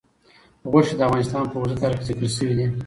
غوښې د افغانستان په اوږده تاریخ کې ذکر شوي دي.